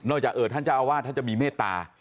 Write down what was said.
นอกจากเออท่านจะเอาว่าท่านจะมีเมตตา